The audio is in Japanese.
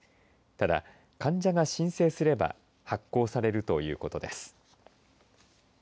ただ、患者が申請すれば発行されるということです。